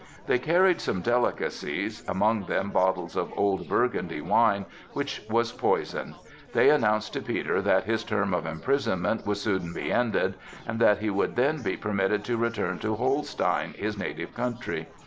They carried some delicacies,—among them bottles of old Burgundy wine, which was poisoned. They announced to Peter that his term of imprisonment would soon be ended, and that he would then be permitted to return to Holstein, his native country.